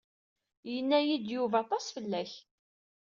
Yenna-yi-d Yuba aṭas fell-ak.